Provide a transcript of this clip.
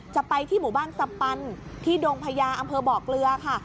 จะไปที่หมู่บ้านสปันที่ดงพญาอำเภอบ่อเกลือค่ะ